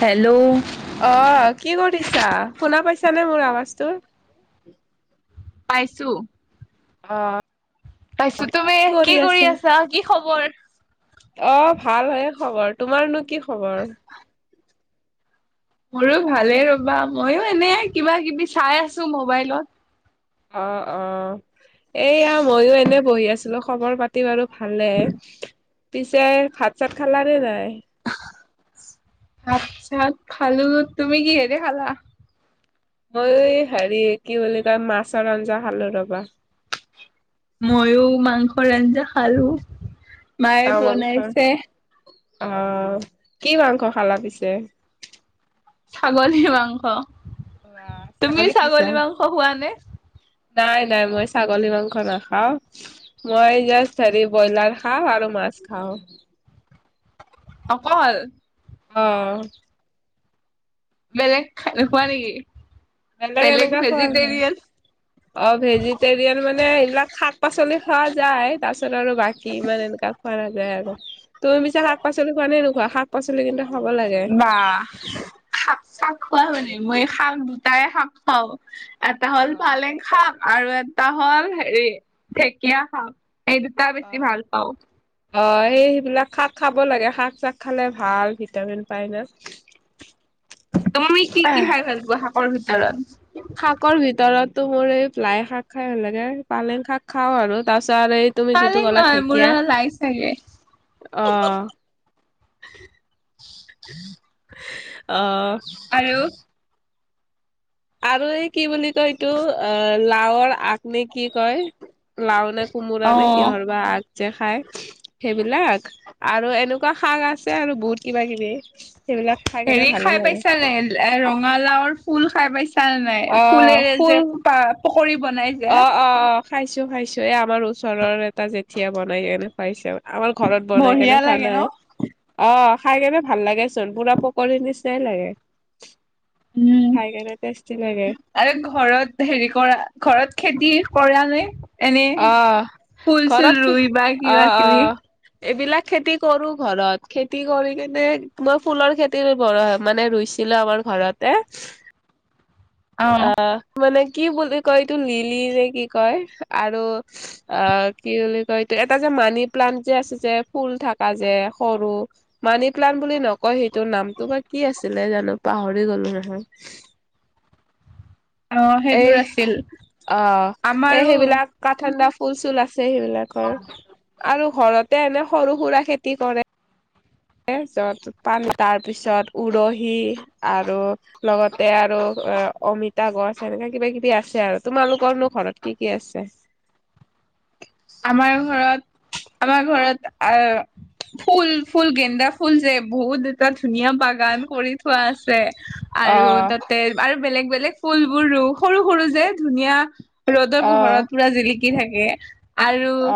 Hello. অ', কি কৰিছা, শুনা পাইছানে মোৰ আৱাজটো। পাইছো। অ'। পাইছো, তুমি কি কৰি আছা, কি খবৰ? অ', ভাল হয় খবৰ। তোমাৰনো কি খবৰ? মোৰো ভালে ৰ'বা, মইও এনে কিবা-কিবি চাই আছো মোবাইলত। অ', অ', এইয়া, মইয়ো এনে বহি আছিলো খবৰ পাতি বাৰু ভালে। পিছে ভাত-চাত খালা নে নাই? ভাত-চাত খালো, তুমি কিহে দি খালা? মইও এ হেৰি কি বুলি কয়, মাছৰ আঞ্জা খালো ৰ'বা। মইয়ো মাংসৰ আঞ্জা খালো। মায়ে [unintelligible] মাংসৰ, বনাইছে। আহ কি মাংস খালা পিছে? ছাগলী মাংস। বাহ, তুমি খাইছা? ছাগলী মাংস খোৱা নে? নাই, নাই মই ছাগলী মাংস নাখাওঁ। মই জাষ্ট হেৰি ব্ৰইলা খাওঁ আৰু মাছ খাওঁ। অকল। অ'। বেলেগ খা নোখোৱা নেকি, বেলেগ এনেকা খোৱা হয় ভেজিটেৰিয়ান। অ', ভেজিটেৰিয়ান মানে, এইবিলাক শাক-পাচলি খোৱা যায়, তাৰপিছত আৰু বাকী ইমান এনেকা খোৱা নাযায় আৰু, তুমি পিছে শাক-পাচলি খোৱা নে নোখোৱা, শাক-পাচলি কিন্তু খাব লাগে। বা শাক-চাক খোৱা মানে, মই শাক দুটাই শাক খাওঁ। এটা অ হ'ল পালেং শাক, আৰু এটা হ'ল হেৰি ঢেকীয়া শাক। এই দুটা বেছি ভাল পাওঁ। অ', এই সেইবিলাক শাক খাব লাগে, শাক-চাক খালে ভাল ভিটামিন পায় জাষ্ট। তুমি কি, কি খাই ভাল পোৱা শাকৰ ভিতৰত? শাকৰ ভিতৰতটো মোৰ এই লাই শাক খাই ভাল লাগে, পালেং শাক খাও আৰু, তাৰপিছত এই তুমি যিটো পালেং ক'লা নহয় মোৰ ঢেঁকীয়া, লাই চাগে অ'। অ'। আৰু। আৰু এই কি বুলি কয় এইটো, অ', লাওৰ আগ নে কি কয়, লাও নে কোমোৰা অ নে কিহৰ বা আগ। যে খাই, সেইবিলাক আৰু এনেকুৱা শাক আছে আৰু বহুত কিবা, কিবি। সেইবিলাক খাই কেনে ভালে লাগে। এ ৰঙালাওৰ ফুল খাই পাইছা নে নাই, অ ফুলেৰে যে ফুল ফুটা পকৰী বনাই। যে অ', অ', অ', খাইছো, খাইছো এই আমাৰ ওচৰৰ এটা জেঠিয়ে বনাই এনে খুৱাইছে। আমাৰ ঘৰত বনাই বঢ়িয়া কেনে খোৱা লাগে ন নাই। অ', খাই কেনে ভাল লাগে চোন, পুৰা পকৰী নিচিনাই লাগে। উম খাই কেনে টেষ্টি লাগে। আৰু ঘৰত হেৰি কৰা, ঘৰত খেতি কৰা নে? এনে, অ ঘৰত ফুল-চুল কি ৰুই বা অ অ কিবা-কিবি। এইবিলাক খেতি কৰো ঘৰত, খেতি কৰি কেনে মই ফুলৰ খেতি মানে ৰুইছ ছিলো আমাৰ ঘৰতে। অ' মানে কি বুলি কয় এইটো লিলি নে কি কয় আৰু অ' কি বুলি কয়টো এটা যে মানি প্লান যে আছে যে ফুল থকা যে সৰু মানি প্লানট বুলি নকয় সেইটো নামটো বা কি আছিলে জানো পাহৰি গলো নহয়। অ', এই সেইবোৰ আছিল। অ এই আমাৰো সেইবিলাক কাঠ ঠাণ্ডা ফুল চুল আছে সেইবিলাকৰ। আৰু ঘৰতে এনে সৰু সুৰা খেতি কৰে। য'ত পান, তাৰপিছত উৰহি, আৰু লগতে আৰু অ অমিতা গছ এনেকা কিবা কিবি আছে আৰু তোমালোকৰনো ঘৰত কি কি আছে আমাৰ ঘৰত আমাৰ ঘৰত আহ ফুল ফুল গেন্দা ফুল যে বহুত এটা ধুনীয়া বা গান কৰি থোৱা আছে অ আৰু তাত তে আৰু বেলেগ বেলেগ ফুল বোৰ ৰু সৰু সৰু যে, ধুনীয়া ৰ'দৰ অ পোহৰত পুৰা জিলিক কি থাকে আৰু অ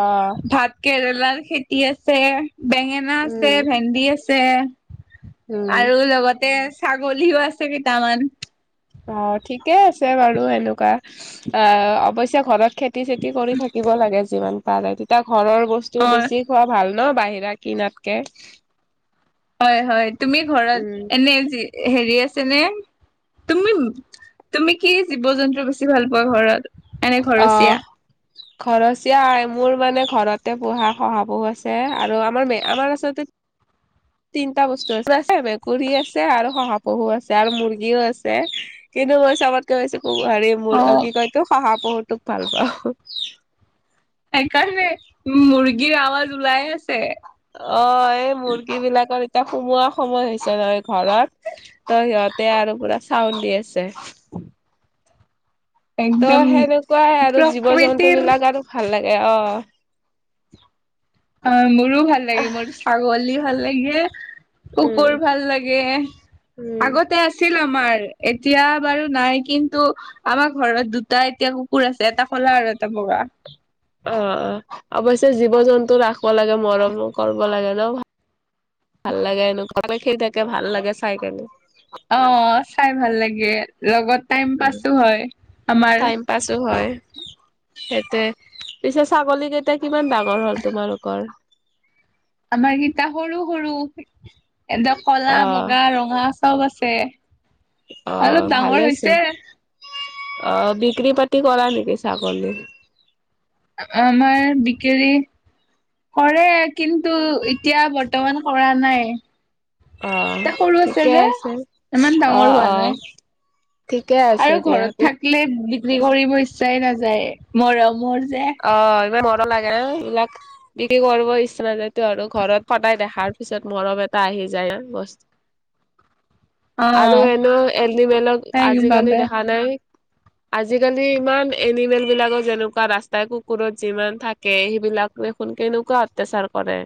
ভাত কেৰেলাৰ খেতি আছে, বেঙে না আছে, উম ভেন্দি আছে, উম আৰু লগতে ছাগলীও আছে কেইটামান। অ ঠিকে আছে বাৰু এনেকুৱা অ অৱশ্যে ঘৰত খেত তি চেতি কৰি থাকিব লাগে যিমান পাৰে তেতিয়া ঘৰৰ বস্তু অ বেছি খোৱা ভাল ন' বাহিৰা কিনাতকে। হয় হয় তুমি উম ঘৰত এনে যি হেৰি আছে নে, তুমি তুমি কি জীৱ-জন্তু বেছি ভাল পোৱা ঘৰত? এনে ঘৰচীয়া অহ ঘৰচীয়া হয় মোৰ মানে ঘৰতে পূহা খহাপহু আছে আৰু আমাৰ মে আমাৰ আচলতে তিনটা বস্তু আছে আ মেকুুৰী আছে আৰু শহাপহু আছে আৰু মুৰ্গীও আছে। কিন্তু মই চবতকে বেছি কো হেৰি অ মোৰ কি কয় এইতো শহা পহুটোক ভাল পাওঁ। সেইকাৰণে মুৰ্গীৰ আৱাজ ওলাই আছে। অ এই মুৰ্গী বিলাকৰ এতিয়া সোমোৱা সময় হৈছে নহয় ঘৰত। ত' সিহঁতে আৰু পুৰা চাউল দি আছে। ত' একদম সেনেকুৱাই আৰু জীৱ-জন্তু প্ৰকৃতিৰ বিলাক আৰু ভাল লাগে অ। অ' মোৰো ভাল লাগে মোৰ ছাগলী ভাল লাগে, উম কুকুৰ ভাল লাগে, উম। আগত তে আছিল আমাৰ এতিয়া বাৰু নাই কিন্তু আমাৰ ঘৰত দুটা এতিয়া কুকুৰ আছে এটা কলা আৰু এটা বগা। অ অ অৱশ্যে জীৱ-জন্তু ৰাখব লাগে মৰমো কৰব লাগে ন ভাল লাগে এনো ক খেলি থাকে ভাল লাগে চাই কেনে। অ চাই ভাল লাগে লগত টাইম পাছো হয় আমাৰ। পাচো হয় সেইটোৱে পিছে ছাগলী কেইট টা কিমান ডাঙৰ হ'ল তোমালোকৰ? আমাৰকেইটা সৰু সৰু এদ কলা, অ', বগা, ৰঙা চব আছে। অ', অলপ ডাঙৰ ভালেচোন হৈছে। অ বিক্ৰী পাতি কৰা নেকি ছাগলী? আমাৰ বিকেৰী কৰে কিন্তু এতিয়া বৰ্তমান কৰা নাই। অহ এতিয়া সৰু ঠিকে যে আছে ইমান অ ডাঙৰ হোৱা অ নাই ঠিকে আছে আৰু দিয়া। ঘৰত বি বিক্ৰী কৰিব ইচ্ছাই নাযায় মৰমৰ যে অ ইবাৰ মন লাগে এইবিলাক। বিক্ৰী কৰিব ইচ্ছা নাজাইটো আৰু ঘৰত হদাই দেখাৰ পিছত মৰম এটা আহি যায়। [inaudible] অ আৰু এনেও এনিমেলক সেই আজিকালি বাবে দেখা নাই আজিকালি ইমান এনিমেল বিলাকৰ যেনেকুৱা ৰাস্তা, তাই কুকুৰত যিমান থাকে সেইবিলাক দেখোনকে কেনেকুৱা অত্যাচাৰ কৰে।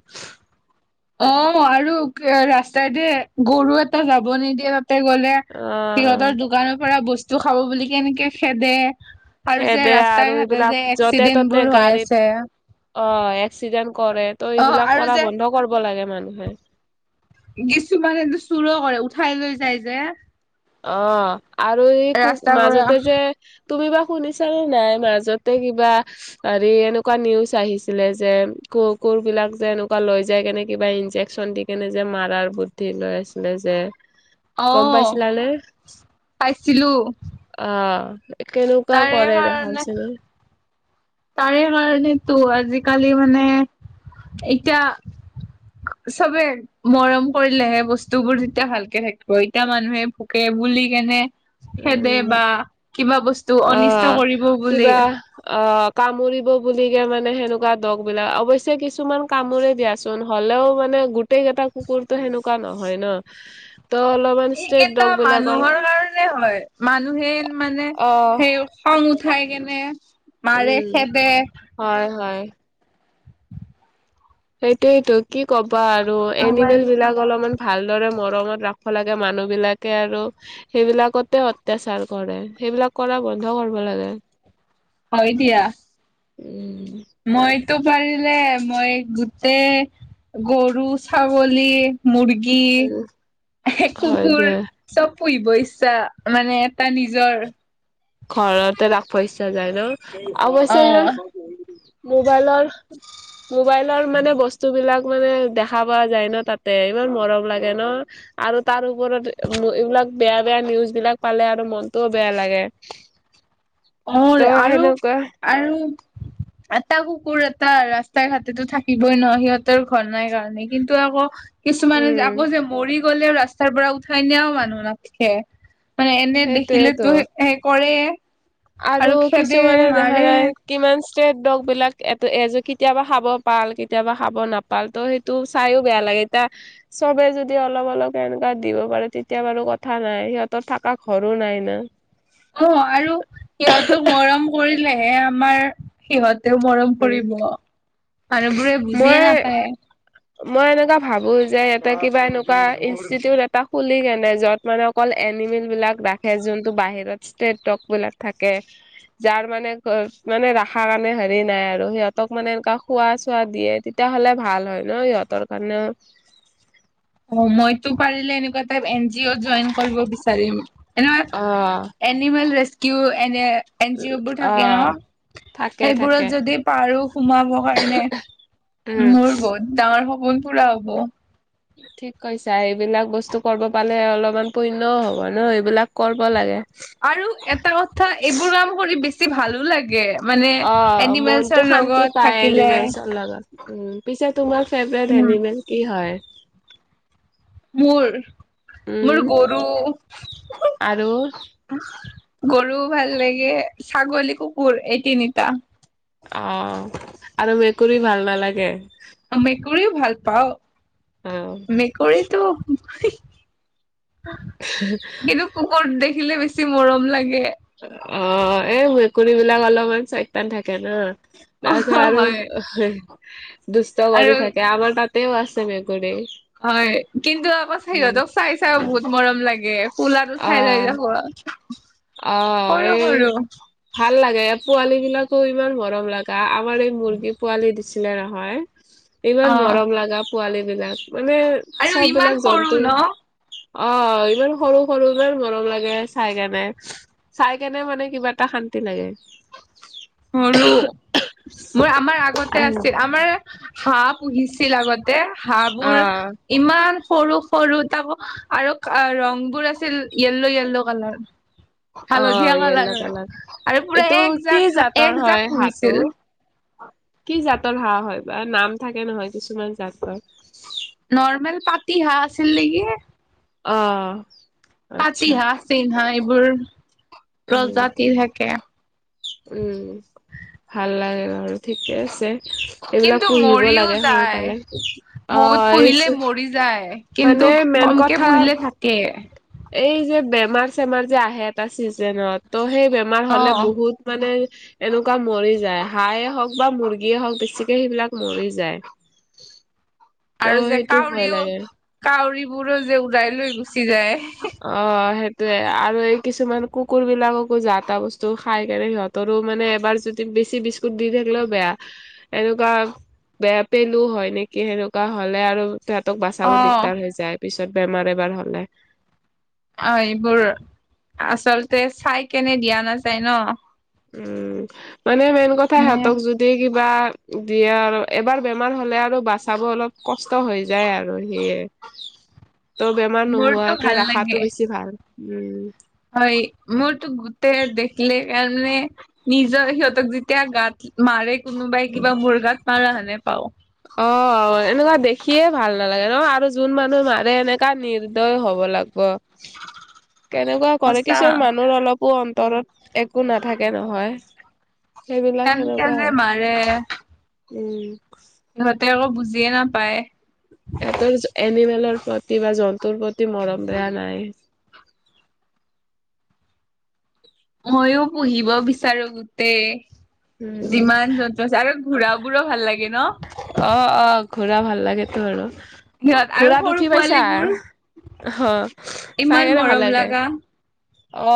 অ আৰু ৰাস্তাই দি গৰু এটা যাব নিদিয়ে তাতে গ'লে, সিহঁতৰ অ', দোকানৰ পৰা বস্তু খাব বুলি কেনেকে খেদে। আৰু যে খেদে ৰাস্তা আৰু ঘাটে এইবিলাক যে য'তে এক্সিডেন্ট ত'তে বোৰ হৈ গাড়ীত আছে, অ এক্সিডেণ্ট কৰে ত অ' এইবিলাক আৰু কৰা যে বন্ধ কৰিব লাগে মানুহে। কিছুমানেটো চুৰ কৰে উঠাই লৈ যায় যে। অ আৰু এই ক ৰাস্তাৰ পৰা মাজতে যে তুমি বা শুনিছা নে নাই মাজতে কিবা হৰি এনেকুৱা নিউজ আহিছিলে যে ক কোৰ বিলাক যে এনেকুৱা লৈ যায় কেনে কিবা ইনজেকচন দি কেনে যে মাৰাৰ বুদ্ধি লৈ আছিলে যে গম আহ পাইছিলানে? পাইছিলো। অ কেনেকুৱা তাৰে কৰে কাৰণে দেখাবিচোন এনে, তাৰে কাৰণেতো আজিকালি মানে এতিয়া। চবে, মৰম কৰিলেহে বস্তুবোৰ তেতিয়া ভালকে থাকিব এতিয়া মানুহে ভোকে বুলি কেনে। খেদে উম। বা কিবা বস্তু আহ অনিষ্ট কৰিব বুলি। কিবা অ কামুৰিব বুলি কে মানে সেনেকুৱা দগবিলাক অৱশ্যে কিছুমান কামোৰে দিয়াচোন হ'লেও মানে গোটেই প্ৰতেক এটা কুকুৰতো সেনেকুৱা নহয় ন ত অলপমান, ষ্ট্ৰেট এইকেইটা ডগ বিলাকৰ মানুহৰে হয়। মানুহে মানে অ সেই খং উঠাই কেনে। মাৰে উম খেদে হয় হয়। সেইটোয়েতো কি ক'বা আৰু এনিমেল বিলাক অলপমান, ভালদৰে মৰমত ৰাখিব লাগে মানুহবিলাকে আৰু সেইবিলাকতে অত্যাচাৰ কৰে সেইবিলাক কৰা বন্ধ কৰিব লাগে। হয় দিয়া। উম মইতো পাৰিলে মই গোটেই গৰু ছাগলী। মৰ্গী হয় কুকুৰ, দিয়া চব পুহিব ইচ্ছা মানে এটা নিজৰ, ঘৰতে ৰাখব ইচ্ছা যায় ন অৱশ্যে ইমান। অ মোবাইলৰ মোবাইলৰ মানে বস্তু বিলাক। মানে দেখা পোৱা যায় ন তাতে ইমান মৰম লাগে ন। আৰু তাৰ ওপৰত এইবিলাক বেয়া বেয়া নিউজ বিলাক পালে আৰু মনতটোও বেয়া লাগে। অ ৰে ত' আৰু সেনেকুৱা আৰু এটা কুকুৰ এটা ৰাস্তা ঘাটে টো থাকিবই নহয় সিহঁতৰ ঘৰ নাই কাৰণে কিন্তু আকৌ, কিছুমানে উম আকৌ যে মৰি গলেও ৰাস্তাৰ পৰা উঠাই নিয়াও মানুহ নাথাকে। মানে এনে সেইটোয়েতো দেখিলেতো হে কৰেই। আৰু কিছুমানে দেখা নাই। কিমান ষ্ট্ৰেট ডগ বিলাক এতে এই যে কেতিয়াবা খাব পাল কেতিয়াবা খাব নাপা, পালতো সেইটো চাইও বেয়া লাগে এতিয়া চবে যদি অলপ অলপ কে দিব পাৰো তেতিয়া বাৰু কথা নাই সিহঁতৰ থকা ঘৰো নাই ন। অঁ আৰু সিহঁতক মৰম কৰিলেহে আমাৰ সিহঁতেও মৰম উম কৰিব, মানুহবোৰে বুজিয়ে মই নাপায়। মই এনেকুৱা ভাবো যে ইয়াতে কিবা এনেকুৱা ইনষ্টিটিউট এটা খুলি কেনে যত মানে অকল এনিমেল বিলাক ৰাখে যোনটো বাহিৰত ষ্টেটক ডগ বিলাক থাকে। যাৰ মানে ঘৰ মানে ৰাখা কাৰণে হয় হেৰি নাই আৰু সিহঁতক মানে এনেকুৱা খোৱা চোৱা দিয়ে তেতিয়াহলে ভাল হয় ন সিহঁতৰ কাৰণেও অ' মইতো পাৰিলে এনেকুৱা এটা এন জি অ'ত জইন কৰিব বিচাৰিম। এনেকুৱা অঁ। এনিমেল ৰেচকিউ এনে এন জি অ' বোৰ থাকে ন। অ', থাকে থাকে সেইবোৰত যদি পাৰো সোমাব কাৰণে উম। মোৰ বহুত ডাঙৰ সপোন পুৰা হ'ব। ঠিক কৈছা এইবিলাক বস্তু কৰিব পালে অলপমান পুণ্যও হ'ব ন সেইবিলাক কৰিব লাগে। আৰু এটা কথা এইবোৰ কাম কৰি বেছি ভালো লাগে। মানে অঁ এনিমেলছৰ মনতো শান্তি লগত পায় থাকিলে এনিমেলচৰ লগত। উম পিছে তোমাৰ ফেভৰেট উম এনিমেল কি হয়? মোৰ, মোৰ উম গৰু। আৰু গৰু ভাল লাগে ছাগলী, কুকুৰ এই তিনিটা। অঁ, আৰু মেকুৰী ভাল নালাগে? মেকুৰীও ভাল পাওঁ অ মেকুৰীটো কিন্তু কুকুৰ দেখিলে বেছি মৰম লাগে। অঁ এই মেকুৰী বিলাক অলপমান চয়তান থাকে ন। অ তাৰপাছত হয় আৰু দুষ্ট কৰি আৰু থাকে, আমাৰ তাতেও আছে মেকুৰী। হয়, কিন্তু আকৌ উম সিহঁতক চাই চাইও বহুত মৰম লা গে কোলাত উঠাই লৈ থাকো ঘৰত। অঁ এই ভাল লাগে পোৱালী বিলাকো ইমান মৰম লগা আমাৰ এই মুৰ্গী পোৱালি দিছিলে নহয়। অ ইমান মৰম লগা পোৱালী বিলাক মানে আৰু চব ইমান বিলাক সৰু জন্তুৰ ন অঁ, ইমান সৰু সৰু ইমান মৰম লাগে চাই কেনে। চাই কেনে মানে কিবা এটা শান্তি লাগে। সৰু, ‌ মোৰ আমাৰ আগতে আছিল আমাৰ হাঁহ পুহিছিল আগতে হাঁহবোৰ ইমান সৰু সৰু তাকো আৰু ৰং বোৰ আছিল য়েল্লো য়েল্লো কালাৰ হালধীয়া অ' য়েল্ল' কালাৰৰ কালাৰ আৰু পুৰা এইটো কি একজাক জাতৰ একজাক হয় হাঁহটো? পুহিছিল। কি জাতৰ হাঁহ হয় বা নাম থাকে নহয় কিছুমান জাতৰ? নৰ্মেল পাতি হাঁহ আছিল নেকি। অঁহহ। পাতি হাঁহ, চিন হাঁহ এইবোৰ উম, প্ৰজাতি থাকে। উম ভাল লাগে বাৰু। ঠিকে আছে। এইবিলাক কিন্তু পুহিব মৰিও লাগে যায়, সৰুকালে। অ' বহুত এই পুহিলে মৰি যায়। মানে কিন্তু মেইন কমকে কথা পুহিলে থাকে। এই যে বেমাৰ চেমাৰ যে আহে এটা চিজনত ত' সেই বেমাৰ অ হলে বহুত মানে এনেকুৱা মৰি যায় হাঁহে হওক বা মুৰ্গীয়ে হওক বেছিকে সেইবিলাক মৰি যায়। [inaudible] ত' আৰু যে সেইটো ভয় কাউৰীও লাগে কাউৰীবোৰো যে উৰাই লৈ গুচি যায়। অ সেইটোয়ে আৰু এই কিছুমান কুকুৰ বিলাককো যা তা বস্তু খাই কাৰনে সিহঁত। তৰো মানে এবাৰ যদি বেছি বিস্কুট দি থাকিলেও বেয়া। এনেকুৱা বেয়া পেলো হয় নেকি সেনেকুৱা হলে আৰু। তিহঁতক অ বাচাব দিগদাৰ হৈ যায় পিছত বেমাৰ এবাৰ হলে। অ এইবোৰ আচলতে চাই কেনে দিয়া নাযায় ন। উম মানে মেইন কথা মানে সিহতক যদ হেই কিবা দিয়ে আৰু এবাৰ বেমাৰ হলে আৰু বাচাব অলপ কষ্ট হৈ। যায় আৰু সিয়ে। [inaudible] ত' বেমাৰ মোৰতো নোহোৱাকে ভাল ৰাখাতো লাগে বেছি ভাল উম। হয় মোৰতো গোতে দেখিলে কাৰনে। নিজৰ সিহঁতক যেতিয়া গাত মাৰে কোনোবাই কিবা মোৰ গাত মাৰা যেনে পাও। অ এনেকুৱা দেখিয়ে ভাল নালাগে ন আৰু যোন মানুহে মাৰে এনেকা নিৰ্দয় হব লাগ। ব। [unintelligible] কেনেকুৱা কৰে সঁচা কিছুমান মানুহ অলপো অন্তৰত একো নাথাকে নহয়। সেইবিলাক কেনকে যে মাৰে হেনেকুৱাই উম। সিহঁতে আকৌ বুজিয়ে নাপায় সিহঁতৰ এনিমেলৰ প্ৰতি বা জন্তুৰ প্ৰতি মৰম দয়া নাই। ময়ো পুহিব বিচাৰো গোটেই। উম যিমান জন্তু আছে আৰু ঘোঁৰাবৰো ভাল লাগে ন। অ অ ঘোঁৰা ভাল লাগেতো আৰু সিহঁত আৰু ঘোঁৰাত সৰু উঠি পাইছা। পোৱালীবোৰ অ চাই ইমান কেনে মৰম ভাল লাগে। লগা অ,